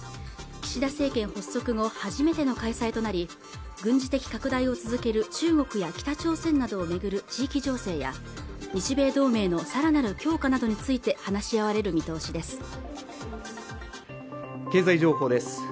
岸田政権発足後初めての開催となり軍事的拡大を続ける中国や北朝鮮などをめぐる地域情勢や日米同盟のさらなる強化などについて話し合われる見通しです